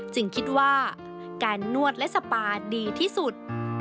คิดว่าการนวดและสปาดีที่สุด